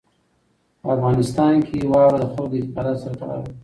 په افغانستان کې واوره د خلکو د اعتقاداتو سره تړاو لري.